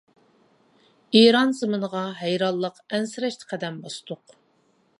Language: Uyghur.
ئىران زېمىنىغا ھەيرانلىق، ئەنسىرەشتە قەدەم باستۇق.